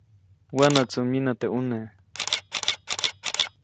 Wänätsu myinä teʼ ʼune.